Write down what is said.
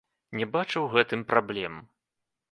Не бачу ў гэтым праблем.